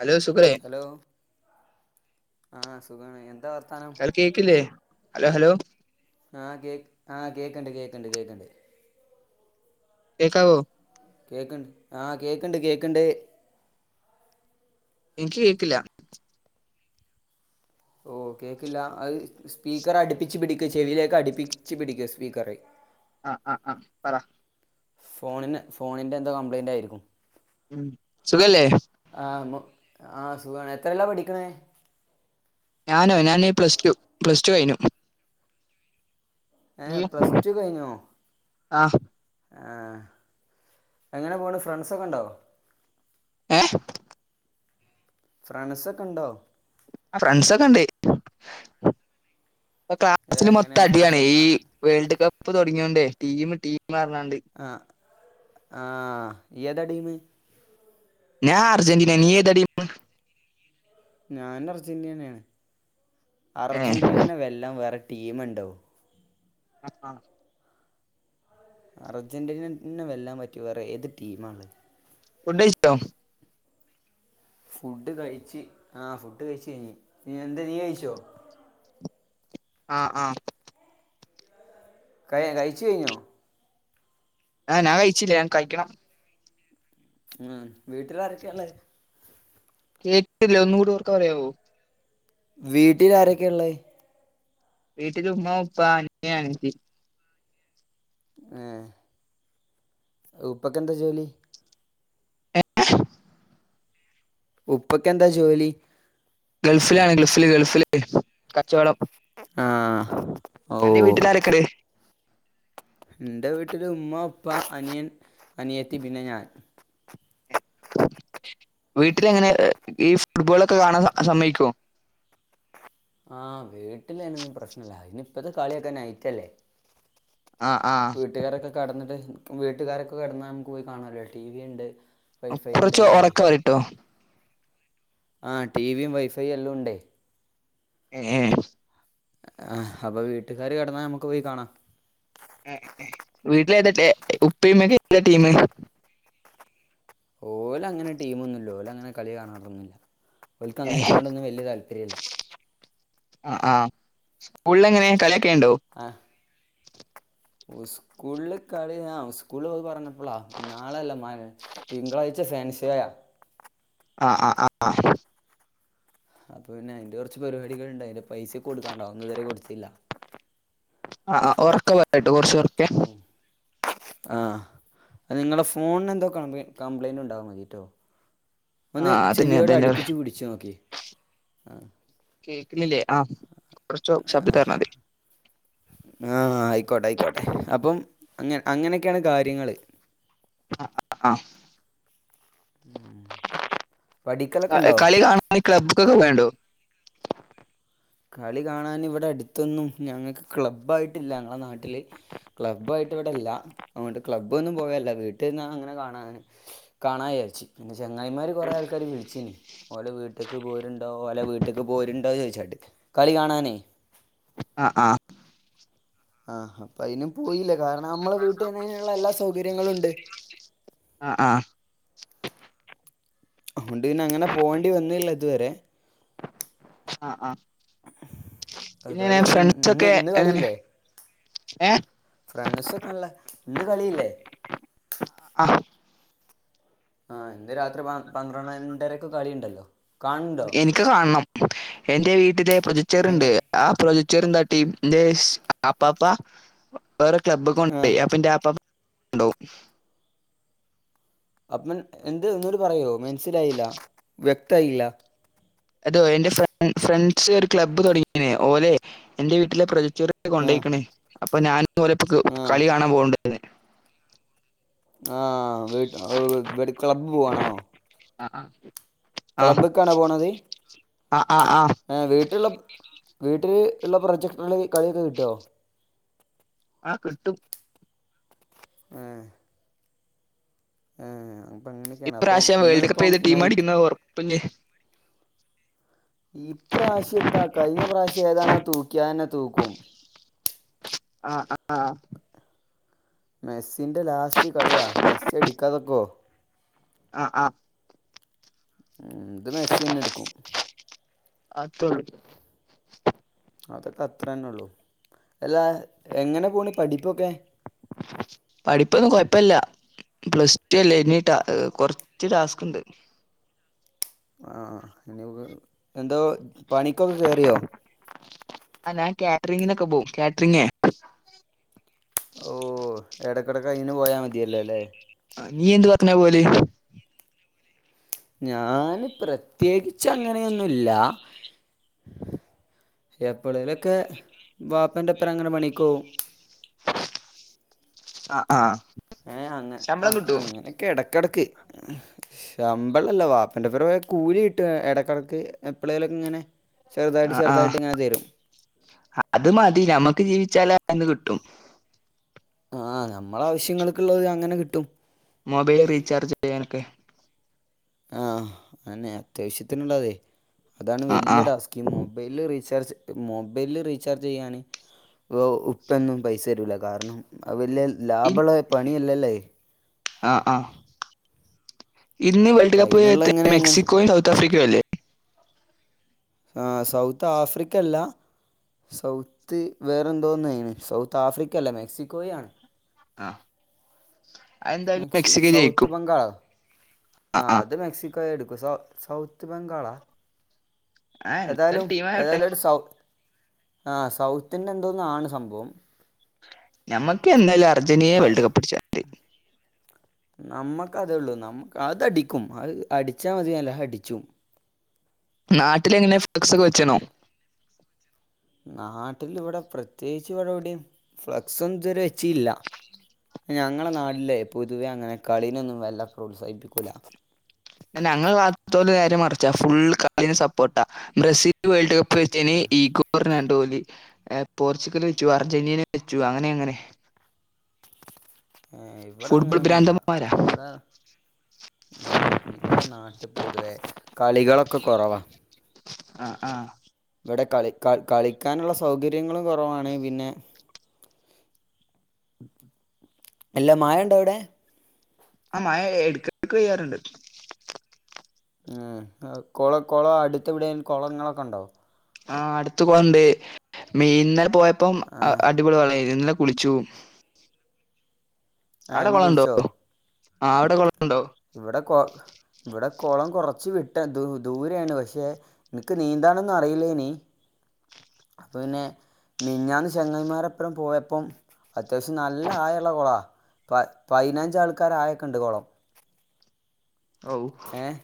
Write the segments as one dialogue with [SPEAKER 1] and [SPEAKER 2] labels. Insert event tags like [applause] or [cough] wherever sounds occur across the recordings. [SPEAKER 1] Hello സുഖല്ലേ
[SPEAKER 2] hello ആഹ് സുഖാണ് എന്താ വർത്താനം
[SPEAKER 1] അത് കേക്കില്ലേ ഹലോ ഹലോ
[SPEAKER 2] ആഹ് കേക്ക് ആഹ് കേക്ക്‌ണ്ട് കേക്ക്‌ണ്ട് കേക്ക്‌ണ്ട്
[SPEAKER 1] കേക്കാവോ
[SPEAKER 2] കേക്ക്‌ണ്ട് ആഹ് കേക്ക്‌ണ്ട് കേക്ക്‌ണ്ട്
[SPEAKER 1] എനിക്ക് കേക്കില്ല
[SPEAKER 2] ഓ കേക്കില്ല അത് സ്പീക്കറടുപ്പിച്ച് പിടിക്ക ചെവിയിലേക്ക് അടുപ്പിച്ച് പിടിക്കെ സ്പീക്കറെ
[SPEAKER 1] ആഹ് ആഹ് ആഹ് പറ
[SPEAKER 2] ഫോണിന് ഫോണിന്റെന്തോ കംപ്ലയിന്റ് ആയിരിക്കും
[SPEAKER 1] ഉം സുഖല്ലേ
[SPEAKER 2] ആഹ് മു ആഹ് സുഖാണ് എത്രേല്ലാ പഠിക്ക്‌ണേ
[SPEAKER 1] ഞാനോ ഞാന് ഈ പ്ലസ്ടു പ്ലസ്ടു കഴിഞ്ഞു
[SPEAKER 2] ഏഹ് പ്ലസ് ടു കഴിഞ്ഞോ
[SPEAKER 1] ആഹ്
[SPEAKER 2] ആഹ് എങ്ങനെ പോണ് ഫ്രണ്ട്സൊക്കെണ്ടോ
[SPEAKER 1] ഏഹ്
[SPEAKER 2] ഫ്രാണ്ട്സ് ഒക്കെണ്ടോ
[SPEAKER 1] ആഹ് ഫ്രണ്ട്സൊക്കെ ഉണ്ട് ഇപ്പൊ
[SPEAKER 2] ഏഹ്
[SPEAKER 1] ക്ലാസില്
[SPEAKER 2] എങ്ങനെ
[SPEAKER 1] മൊത്തം അടിയാണ്
[SPEAKER 2] ഫ്രണ്ട്സൊക്കെ
[SPEAKER 1] ഈ വേൾഡ് കപ്പ് തുടങ്ങിയോണ്ടേ ടീമ് ടീമാർഞ്ഞാണ്ട്
[SPEAKER 2] ആഹ് ആഹ് ഇയ്യേതാ ടീമ്
[SPEAKER 1] ഞാർജന്റീന നീ ഏതാ ടീം
[SPEAKER 2] ഞാനും അർജന്റീനന്നേണ്
[SPEAKER 1] ഏ
[SPEAKER 2] അർജന്റീനനെ വെല്ലാൻ വേറെ ടീമ്ണ്ടാ
[SPEAKER 1] ആഹ് ആഹ്
[SPEAKER 2] അർജന്റീനന്നെ വല്ലാൻ പറ്റിയ വേറേത് ടീമാണ്
[SPEAKER 1] ഫുഡഴിച്ചോ
[SPEAKER 2] ഫുഡ് കഴിച്ച് ആഹ് ഫുഡ് കഴിച്ച് കഴിഞ് നി എന്താ നീ കഴിച്ചോ
[SPEAKER 1] ആഹ് ആഹ്
[SPEAKER 2] കഴ കഴിച്ചു കഴിഞ്ഞോ
[SPEAKER 1] ആഹ് ഞാൻ കഴിച്ചില്ല ഞാൻ കഴിക്കണം
[SPEAKER 2] ഉം വീട്ടിലാരൊക്കേള്ളേ
[SPEAKER 1] കേട്ടില്ല ഒന്നുകൂടി ഒർക്ക പറയാവോ
[SPEAKER 2] വീട്ടിലാരൊക്കേള്ള
[SPEAKER 1] വീട്ടിലുമ്മ ഉപ്പാ അനിയൻ അനിയത്തി
[SPEAKER 2] ഏ ഉപ്പൊക്കെന്താ ജോലി
[SPEAKER 1] എ
[SPEAKER 2] ഉപ്പക്കെന്താ ജോലി
[SPEAKER 1] ഗൾഫിലാണ് ഗൾഫില് ഗൾഫില് കച്ചൊടം
[SPEAKER 2] ആഹ് ഓ
[SPEAKER 1] ആരക്ക്ട്
[SPEAKER 2] ഇൻ്റെ വീട്ടില് ഉമ്മ അനിയൻ അനിയത്തി പിന്നെ ഞാൻ
[SPEAKER 1] വീട്ടില് എങ്ങനെ ഈ ഫുട്ബോളൊക്കെ കാണാൻ സമ്മയിക്കോ
[SPEAKER 2] ആഹ് വീട്ടില് അയിനൊന്നും പ്രശ്നല്ല ഇനി ഇപ്പത്തെ കളിയൊക്കെ നൈറ്റല്ലേ
[SPEAKER 1] ആഹ് ആഹ്
[SPEAKER 2] വീട്ടുകാരൊക്കെ കടന്നിട്ട് വീട്ടുകാരൊക്കെ കിടന്നാൽ നമുക്ക് പോയി കാണാലൊ ടി വി ഇണ്ട്
[SPEAKER 1] കൊറച്ച് ഒറക്കെ പറിട്ടൊ
[SPEAKER 2] ആഹ് ടിവിയും വൈഫൈയും എല്ലാം ഉണ്ടേ
[SPEAKER 1] ഏ ഏ
[SPEAKER 2] ആഹ് അപ്പൊ വീട്ടുകാര് കിടന്നാ നമ്മുക്ക് പോയി കാണാ
[SPEAKER 1] വീട്ടില് ഏത ഉപ്പയും ഉമ്മയും ഏതാ ടീം
[SPEAKER 2] ഓല് അങ്ങനെ ടീം ഒന്നുല്ല ഓല് അങ്ങനെ കളി കാണാറൊന്നുല്ല ഓല്ക്ക്
[SPEAKER 1] ആഹ്
[SPEAKER 2] അങ്ങനത്തിനോടൊന്നും വല്യ താല്പര്യല്ല
[SPEAKER 1] ആഹ് ആഹ് സ്കൂളിൽ എങ്ങനെ കളിയാക്കേണ്ടോ
[SPEAKER 2] ആഹ് സ്കൂളിൽ കളി സ്കൂളില് അത് പറഞ്ഞ ളാ നാളെയല്ല മ തിങ്കളാഴ്ച ഫാൻസ ആായ
[SPEAKER 1] ആഹ് ആഹ് ആഹ് ആഹ്
[SPEAKER 2] അപ്പൊ പിന്നെ അയിന്റെ കൊറച്ച് പരിപാടികള്ണ്ട് അയിന്റെ പൈസ കൊടുക്കാണ്ട് അതൊന്നും ഇതരെ കൊടുത്തില്ല
[SPEAKER 1] ആഹ് ഒറക്കെപറിട്ടൊ കൊറച്ച്
[SPEAKER 2] ആഹ് ആഹ് നിങ്ങളെ ഫോണന് എന്തോ കപ് കംപ്ലയിന്റ് ഉണ്ടാവാ മതിട്ടോ ഒന്ന്
[SPEAKER 1] ആഹ് അതന്നെ
[SPEAKER 2] ചെവിയോട്
[SPEAKER 1] അതന്നെ
[SPEAKER 2] അടുപ്പിച്ച് പിടിച്ചു നോക്കി ആഹ്
[SPEAKER 1] കേൾക്കുന്നില്ലേ ആഹ് കൊറച്ചോ ശബ്ദത്തി പറഞ്ഞ മതി
[SPEAKER 2] ആഹ് ആയിക്കോട്ടെ ആയിക്കോട്ടെ അപ്പം അങ്ങനെ അങ്ങനെയൊക്കെയാണ് കാര്യങ്ങൾ
[SPEAKER 1] ആഹ്
[SPEAKER 2] പഠിക്കലൊക്കെ ഉണ്ടോ
[SPEAKER 1] ആഹ്കളി കാണ നിങ്ങളി ക്ല്ബ്ക്കെ പോല്ണ്ടോ
[SPEAKER 2] കളി കാണാൻ ഇവിടെ അടുത്തൊന്നും ഞങ്ങൾക്ക് ക്ലബ്ബ് ആയിട്ടില്ല ഞങ്ങളെ നാട്ടിൽ ട്ടില് ക്ലബ്ബ് ആയിട്ട് ഇവിടെ ഇല്ല അങ്ങോട്ട് ക്ലബ്ബൊന്നും പോയല്ല വീട്ടിൽന്ന അങ്ങനെ കാണാൻ കാണാ വിചാരിച്ച് പിന്നെ ചെങ്ങായിമാര് കൊറേ ആൾക്കാർ വിളിച്ചിനി ഓലെ വീട്ടേക്ക് പോരുണ്ടോ ഓല വീ ട്ടിക്ക് പൊര്ണ്ടോ ചോയിച്ചാ ട്ട് കളനെകാണണേ
[SPEAKER 1] ആഹ് ആഹ്
[SPEAKER 2] ആഹ് അപ്പൊ അയിനും പോയില്ല കാരണം നമ്മളെ വീട്ടിൽ അയിൻ ഉള്ള എല്ലാ സൗകര്യങ്ങളും ഉണ്ട്
[SPEAKER 1] ആഹ് ആഹ്
[SPEAKER 2] അതൊണ്ട് പിന്നെ അങ്ങനെ പോകേണ്ടി വന്നില്ല ഇതുവരെ
[SPEAKER 1] ആഹ് ആഹ് പിന്നെങ്ങനെ
[SPEAKER 2] ഏതായാലും ഇപ്പൊ ഇന്ന്
[SPEAKER 1] ഫ്രണ്ട്സൊക്കെ
[SPEAKER 2] ഇന്ന്
[SPEAKER 1] എങ്ങനെ ഏ
[SPEAKER 2] ഫ്രാൻസ ഒക്കെല്ല ഇന്ന് കളില്ലേ
[SPEAKER 1] ആഹ് ആഹ്
[SPEAKER 2] ആഹ് എന്ത് രാത്രി പ പന്ത്രണ്ടരക്ക് കളിയുണ്ടല്ലോ കാണുന്നുണ്ടോ
[SPEAKER 1] എനിക്ക് കാണണം എന്റെ വീട്ടിലെ
[SPEAKER 2] എങ്ങ
[SPEAKER 1] പ്രൊജച്ചർണ്ട് ആഹ് പ്രൊജക്ടർ എന്ത് കാട്ടി ഇൻ്റെ അപ്പാപ്പ വേറെ ക്ലബ്ബ്ക്ക്
[SPEAKER 2] ആഹ്
[SPEAKER 1] കൊണ്ടോയ് അപ്പന്റെ അപ്പ ഉണ്ടും
[SPEAKER 2] അപ്പൻ എന്ത് ഒന്നൂടെ പറയോ മനസ്സിലായില്ല വ്യക്തായില്ല
[SPEAKER 1] അതോ എന്റെ ഫ്രണ്ട്സ് ഒരു ക്ലബ്ബ് തുടങ്ങിയനേ ഓലെ എന്റെ വീട്ടിലെ പ്രൊജക്ടർ ഒക്കെ
[SPEAKER 2] ആഹ്
[SPEAKER 1] കൊണ്ടോയ്ക്കണേ അപ്പൊ ഞാൻ ഓരോപ്പോ
[SPEAKER 2] ആഹ്
[SPEAKER 1] കളി കാണാൻ പോകണ്ടത്
[SPEAKER 2] ആഹ് വീട് വ്‌ ക്ലബ്ബ് പോവാണോ
[SPEAKER 1] ആഹ് ആഹ്
[SPEAKER 2] ക്ലബ്ബ്ക്കാണോ പോണത്
[SPEAKER 1] ആഹ് ആഹ് ആഹ്
[SPEAKER 2] വീട്ടിലുള്ള വീട്ടിൽ ഒള്ള പ്രൊജക്ടറിൽ കളിയൊക്കെ കിട്ടുവൊ
[SPEAKER 1] ആഹ് കിട്ടും
[SPEAKER 2] ആഹ് [inaudible] അപ്പം
[SPEAKER 1] ഇപ്രാശ്യം വേൾഡ് കപ്പ്
[SPEAKER 2] ഇന്നിപ്പം
[SPEAKER 1] ഏത് ടീം
[SPEAKER 2] നൈറ്റ്
[SPEAKER 1] അടിക്കുന്നുന്നത് ഒറപ്പുല്ലേ
[SPEAKER 2] ഈപ്രാശ്യം എന്താ കഴിഞ്ഞ പ്രാവശ്യം ഏതാണോ തൂക്കിയത് അത് തന്നെ തൂക്കും
[SPEAKER 1] ആഹ് ആഹ് ആഹ്
[SPEAKER 2] മെസ്സിന്റെ ലാസ്റ്റ് കളിയാ മെസ്സി അടിക്കാതെ നിക്കുവോ
[SPEAKER 1] ആഹ് ആഹ്
[SPEAKER 2] ഇതു മെസ്സി തന്നെടുക്കും
[SPEAKER 1] അദ്യത്തേയുള്ളു
[SPEAKER 2] അതൊക്കെ അത്ര തന്നെ ഒള്ളൂ അല്ലാ എങ്ങനെ പോണ് പഠിപ്പൊക്കെ
[SPEAKER 1] പഠിപ്പൊന്നും കൊയപ്പല്ല പ്ലസ് ടു അല്ലേ ഇനി കൊറച്ച് ടാസ്ക് ഒണ്ട്
[SPEAKER 2] ആഹ് എന്തോ പണിക്കൊക്കെ കേറിയോ
[SPEAKER 1] ആഹ് ഞാൻ കാറ്ററിംഗിന്നൊക്കെ പോകും കാറ്ററിംങേ
[SPEAKER 2] ഓ എടക്കടക്ക് ആയിന് പോയാ മതിയലല്ലോ അല്ലേ
[SPEAKER 1] നീ എന്ത് പറഞ്ഞാ പോകല്
[SPEAKER 2] ഞാന് പ്രത്യേകിച്ച് അങ്ങനൊന്നുംല്ല എപ്പോളോലൊക്കെ വാപ്പന്റെ ഒപ്പം അങ്ങനെ പണിക്കു പോകും
[SPEAKER 1] ആഹ് ആഹ്
[SPEAKER 2] ഏഹ് അങ്ങ
[SPEAKER 1] ശമ്പളം കിട്ടോ
[SPEAKER 2] അങ്ങനൊക്കെ എടക്കിടക്ക് ശമ്പളല്ല വാപ്പന്റെ ഒപ്പരം കൂലി കിട്ടും എടകിടക്ക് എപ്പളേലിങ്ങനെ ചെറുതായിട്ട്
[SPEAKER 1] ആഹ് ആഹ്
[SPEAKER 2] ചെറുതായിട്ടിങ്ങനെ തരും
[SPEAKER 1] അത് മതി ഞമ്മക്ക് ജീവിച്ചാലന്ന് അതിന്ന്‌ കിട്ടും
[SPEAKER 2] ആഹ് നമ്മളാവശ്യങ്ങൾക്കുള്ളത് അങ്ങനെ കിട്ടും
[SPEAKER 1] മൊബൈൽ റീചാർജ് ചെയ്യാനൊക്കെ
[SPEAKER 2] ആഹ് അങ്ങനെ അത്യാവശ്യത്തിനുള്ളതെ അതാണ്
[SPEAKER 1] ആഹ്
[SPEAKER 2] വലിയ
[SPEAKER 1] ആഹ്
[SPEAKER 2] ടാസ്ക് ഈ മൊബൈല് റീചാർജ് മൊബൈല് റീചാർജ് ചെയ്യാന് ഉപ്പയൊന്നും പൈസ തരൂല കാരണം വല്യ
[SPEAKER 1] ഇൻ
[SPEAKER 2] ലാഭുള്ള പണിയല്ലല്ലൊ അത്
[SPEAKER 1] ആഹ് ആഹ് ഇന്ന് വേൾഡ്
[SPEAKER 2] അപ്പം
[SPEAKER 1] കപ്പ്‌
[SPEAKER 2] അതിനുള്ള ഇങ്ങനെ എങ്ങനെ
[SPEAKER 1] മെക്സിക്കോയും സൗത്ത് ആഫ്രിക്കയുമല്ലേ
[SPEAKER 2] ആഹ് സൗത്ത് ആഫ്രിക്കയല്ല സൗത്ത് വേറെന്തോന്നയാന് സൗത്ത് ആഫ്രിക്കയല്ലേ മെക്സിക്കോയാണ്
[SPEAKER 1] ആഹ് അതെന്തായാലും
[SPEAKER 2] മെക്സി
[SPEAKER 1] മെക്സിക്കോ
[SPEAKER 2] സൗത്ത്
[SPEAKER 1] ജയിക്കും
[SPEAKER 2] ബംഗാളോ ആഹ് അത് മെക്സി ക്ക എടുക്കും സൗ സൗത്ത് ബംഗാളാ
[SPEAKER 1] ആഹ് എന്തൊരു
[SPEAKER 2] ഏതായാലും
[SPEAKER 1] ടീമാവട്ടെ
[SPEAKER 2] ഏതായാലും ഒരു സൗ ആഹ് സൗത്തിന്റെ എന്തോന്നാണ് സംഭവം
[SPEAKER 1] ഞമ്മക്ക് എന്തായാലും അർജന്റീന വേൾഡ് കപ്പ് അടിച്ചാ മതി
[SPEAKER 2] നമ്മുക്കതേ ഉള്ളൂ നമ്മക്ക് അതടിക്കും അത് അടിച്ചാൽ മതിയല്ല അടിച്ചും
[SPEAKER 1] നാട്ടിലെങ്ങനെ ഫ്ലെക്സ് ഒക്കെ വെച്ണോ?
[SPEAKER 2] നാട്ടിൽ ഇവിടെ പ്രത്യേകിച്ച് ഇവിടെവിടെയും ഫ്ലക്സ് ഒന്നു ഇതരെ വെച്ചില്ല ഞങ്ങളെ നാട്ടിലെ പൊതുവെ അങ്ങനെ കളിനെന്നും വല്ല പ്രോത്സാഹിപ്പിക്കൂല.
[SPEAKER 1] ഞങ്ങടെ ഭാഗത്തു നേരെ മറിച്ച ഫുൾ കളി സപ്പോർട്ടാ ബ്രസീൽ വേൾഡ് കപ്പ് ഇപ്പൊ വെച്ചേനി ഈഗോന്ന് പറഞ്ഞാലി പോർുഗൽ വെച്ചു അർജന്റീന വെച്ചു അങ്ങനെ അങ്ങനെ
[SPEAKER 2] ഉം
[SPEAKER 1] ഫുട്ബോൾ
[SPEAKER 2] ഇവിടങ്ങനൊന്നുല്ല
[SPEAKER 1] ഭ്രാന്തന്മാരാ
[SPEAKER 2] ഇവിടെ ഇവിടെ നാട്ടി പൊതുവേ കളികളൊക്കെ കൊറവാ
[SPEAKER 1] അ ആഹ്
[SPEAKER 2] ഇവിടെ കളി കള് കളിക്കാനുള്ള സൗകര്യങ്ങളും കൊറവാണ് പിന്നെ. എല്ല മയണ്ടോ അവടെ
[SPEAKER 1] ആ മയ എട്‌ക്കെട്ക്ക് പെയ്യാറുണ്ട്.
[SPEAKER 2] ഏഹ് കൊള കൊള അട്ത്തെവ്ടെങ്കിലും കൊളങ്ങളൊക്കെ ഇണ്ടോ?
[SPEAKER 1] ആ അടുത്ത് കൊളണ്ട് മി ഇന്നലെ പോയപ്പം
[SPEAKER 2] ആ
[SPEAKER 1] അഅടിപൊളി വള്ളായ്ര്ന്ന് ഇന്നലെ കുളിച്ചു. അടെ
[SPEAKER 2] ഇന്ന്
[SPEAKER 1] കൊളണ്ടോ
[SPEAKER 2] കുളിച്ചോ
[SPEAKER 1] ആ അവടെ കൊളണ്ടോ?
[SPEAKER 2] ഇവിടെ കൊ ഇവിടെ കൊളം കൊറച്ച് വിട്ട ദു ദൂരെയാണ് പക്ഷേ. ഇക്ക് നീന്താനൊന്ന് അറില്ലേനി അപ്പോം പിന്നെ മിഞ്ഞാന്ന് ചെങ്ങൈമാരെപ്പഴം പോയപ്പം. അത്യാവ്ശ്യം നല്ല ആയള്ള കൊളാ പയ് പയ്നഞ്ച് ആൾക്കാരെ ആയക്കെണ്ട് കൊളം
[SPEAKER 1] ഓ
[SPEAKER 2] ഏഹ്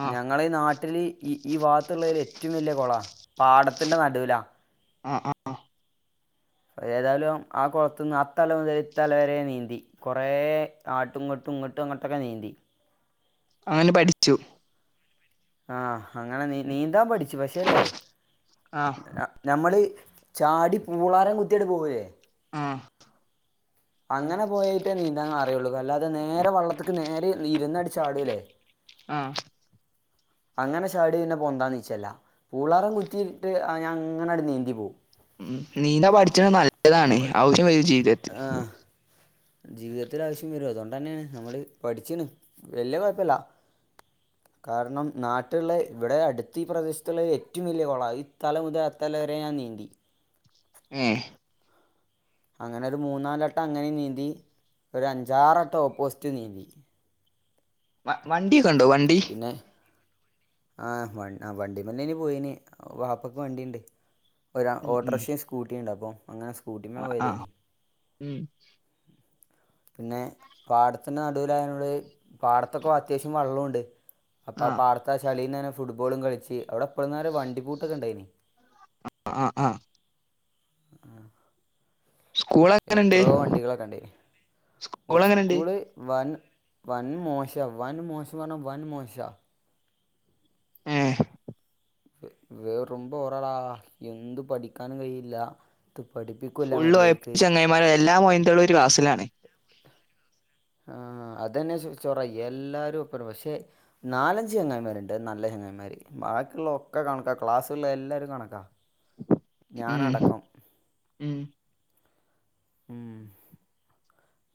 [SPEAKER 1] ആ
[SPEAKER 2] ഞങ്ങളീ നാട്ടിൽ ഈ ഈ ഭാത്തുള്ളതിൽ ഏറ്റവും വലിയ കൊളാ പാടത്തിൻ്റെ നടൂലാ.
[SPEAKER 1] അ ആഹ്.
[SPEAKER 2] അതേതായാലും ആ കൊൾത്ത്ന്ന് അത്തല മുതൽ ഇത്തലവരെ നീന്തി. കൊറേ ആട്ടും ഇങ്ങട്ടും ഇങ്ങൊട്ടും അങ്ങാട്ടൊക്കെ നീന്തി.
[SPEAKER 1] അനെ പഠിച്ചു
[SPEAKER 2] ആഹ് അങ്ങനെ നീ നീന്താൻ പഠിച്ചു പക്ഷേല്ലേ.
[SPEAKER 1] ആ
[SPEAKER 2] നമ്മൾ ചാടി പൂളാരം കുത്തിയാണ്ട് പോവേ.
[SPEAKER 1] ആഹ്
[SPEAKER 2] അങ്ങനെ പോയിട്ടേ നീന്താന്ന് അറിയുള്ളൂ അല്ലാതെ നേരെ വള്ളത്ത്ക്ക് നേരെ ഇരിന്നടിച്ചാടൂലേ.
[SPEAKER 1] ആഹ്.
[SPEAKER 2] അങ്ങനെ ചാടിയാ പിന്നെ പൊന്താ ന്ച്ചല്ല പൂളാറം കുത്തിയിട്ട് ഞാൻ ഇങ്ങനാണ്ട് നീന്തി പോവും.
[SPEAKER 1] ഉം നീന്താ പഠിച്ച്ണത് നല്ലതാണ്
[SPEAKER 2] നമ്മൾ
[SPEAKER 1] ഔദ്യോഗിക ജീവിതത്തി.
[SPEAKER 2] ജീവിതത്തിൽ ആവ്ശ്യം വരും അതുകൊണ്ടെന്നേണ് നമ്മള് പഠിച്ച്ണ് വല്യ കൊഴപ്പല്ല [inaudible] കാരണം നാട്ട്ള്ള ഇവിടെ അടുത്ത ഈ പ്രദേശത്തുള്ള ഏറ്റവും വലിയ കൊള ഈത്തല മുതൽ അത്തലവരെ ഞാൻ നീന്തി.
[SPEAKER 1] ഏഹ്.
[SPEAKER 2] അങ്ങനെ ഒരു മൂന്നാലട്ടം അങ്ങനും നീന്തി ഒരു അഞ്ചാറട്ടം ഓപ്പോസിറ്റ് നീന്തി.
[SPEAKER 1] വവണ്ടിയൊക്കെണ്ടോ വണ്ടി?
[SPEAKER 2] ന്നെ. ആഹ് ആ വണ്ടിമന്നേനി പോയിന് വാപ്പക്ക് വണ്ടിണ്ട്. ഒരു ആ
[SPEAKER 1] ഉം ഉം
[SPEAKER 2] ഓട്ടർഷിം സ്കൂട്ടിയും ഉണ്ട് അപ്പോ.
[SPEAKER 1] ആ ആഹ് ഉം
[SPEAKER 2] പിന്നെ പാട്ത്തിന്റെ നടുലായോണ്ട് പാടത്തൊക്കെ അത്യാവ്ശ്യം വള്ളുണ്ട്. അപ്പാ ആ പാട്ത്തെ ആ ചളീന്ന്ങ്ങനെ ഫുട്ബോളും കളിച്ച് അവിടെ ഇപ്പൽന്നാര വണ്ടി പൂട്ടൊക്കെ ഉണ്ടായിനി.
[SPEAKER 1] അ ആഹ് ആഹ്.
[SPEAKER 2] ആഹ്.
[SPEAKER 1] സ്കൂൾ എങ്ങനെണ്ട്
[SPEAKER 2] എത്രയോ വണ്ടികളൊക്കെണ്ടേനി
[SPEAKER 1] സ്കൂൾ എങ്ങനെണ്ട്
[SPEAKER 2] സ്കൂള് വൻ വൻ മോശ വൻ മോശം പർഞ്ഞാ വൻ മോശാ.
[SPEAKER 1] ഏഹ്.
[SPEAKER 2] വെറും ബോറാടാ എന്തും പഠിക്കാനും കയ്യില്ല. ത്തു പഠിപ്പിക്കുല്ല മര്യാദയ്ക്ക്.
[SPEAKER 1] മരെ എല്ലാം മൊയ്ന്തോളും ഒരു ക്ലാസ്സിലാണ്.
[SPEAKER 2] ആഹ് അതന്നെ ചൊറ എല്ലാരും ഒപ്പരം പക്ഷെ. നാലഞ്ച് ചെങ്ങായിമാരുണ്ട് അഹ് നല്ല ചെങ്ങായിമാര് ബാക്കിയുള്ള ഒക്കെ കണക്കാ ക്ലാസ്സുള്ള എല്ലാരും കണക്കാ.
[SPEAKER 1] ഉം
[SPEAKER 2] ഞാനടക്കം
[SPEAKER 1] ഉം.
[SPEAKER 2] ഉം.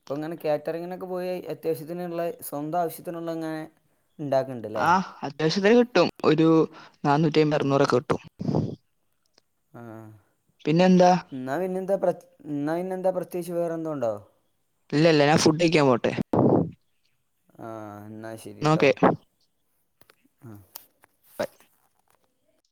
[SPEAKER 2] ഇപ്പങ്ങനെ കാറ്ററിങ്ങിനൊക്കെ പോയി അത്യാവ്ശ്യത്തിനുള്ള സ്വന്തം ആവ്ശ്യത്തിനുള്ള ഇങ്ങനെ. ഉണ്ടാക
[SPEAKER 1] ആ അത്യാവശ്യത്തെ കിട്ടും ഒരു നന്നൂറ്റി അമ്പ അറുന്നൂറൊക്കെ കിട്ടും
[SPEAKER 2] ആഹ്
[SPEAKER 1] പിന്നെന്താ
[SPEAKER 2] ന്നാ പിന്നെന്താ പ്ര ഇന്നെന്താ പ്രത്യേകിച്ച് വേറെ ന്തോണ്ടോ
[SPEAKER 1] ഇല്ലല്ല ഞാൻ ഫുഡ്ഴിക്കാൻ പോട്ടെ
[SPEAKER 2] ആഹ് ന്നാ ശരിട്ടോ ആ
[SPEAKER 1] ബൈ